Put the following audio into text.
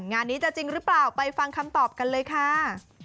งานนี้จะจริงหรือเปล่าไปฟังคำตอบกันเลยค่ะ